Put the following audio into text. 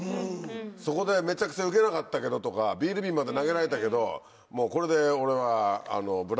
そこでめちゃくちゃウケなかったけどとかビール瓶まで投げられたけどもうこれで俺は。